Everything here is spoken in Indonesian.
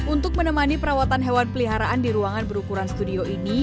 untuk menemani perawatan hewan peliharaan di ruangan berukuran studio ini